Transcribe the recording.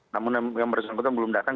namun yang bersangkutan belum datang